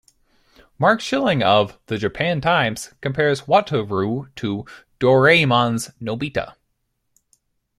Mark Schilling of "The Japan Times" compares Wataru to "Doraemon"'s Nobita.